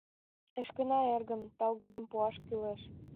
Эшкына эргым, талгыдым пуаш кӱлеш.